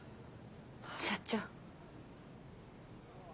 社長。